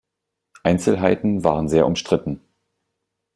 Einzelheiten waren sehr umstritten.